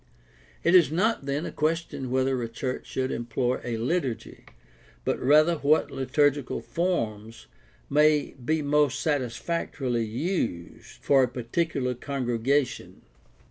It is not then a question whether a church should employ a liturgy, but rather what liturgical forms may be most satisfactorily used for a particular congregation.